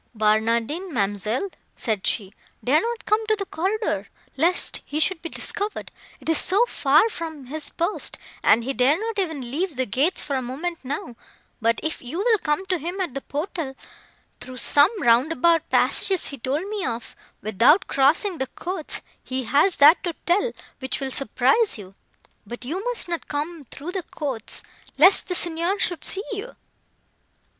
"Barnardine, ma'amselle," said she, "dare not come to the corridor, lest he should be discovered, it is so far from his post; and he dare not even leave the gates for a moment now; but, if you will come to him at the portal, through some roundabout passages he told me of, without crossing the courts, he has that to tell, which will surprise you. But you must not come through the courts, lest the Signor should see you."